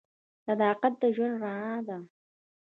• صداقت د ژوند رڼا ده.